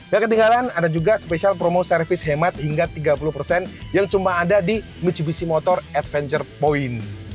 dan ketinggalan ada juga special promo servis hemat hingga tiga puluh yang cuma ada di mitsubishi motors adventure point